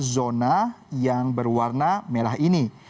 zona yang berwarna merah ini